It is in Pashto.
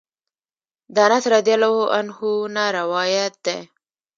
د انس رضی الله عنه نه روايت دی: